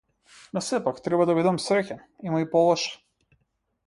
Но сепак, треба да бидам среќен, има и полошо.